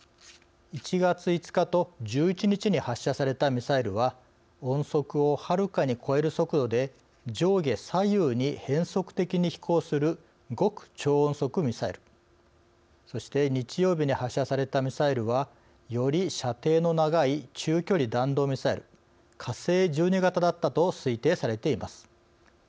１月５日と１１日に発射されたミサイルは音速をはるかに超える速度で上下左右に変則的に飛行する極超音速ミサイルそして日曜日に発射されたミサイルはより射程の長い中距離弾道ミサイル火星１２型だったと推定されています。